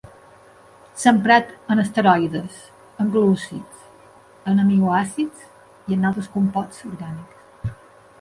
S'ha emprat en esteroides, en glúcids, en aminoàcids i en altres compostos orgànics.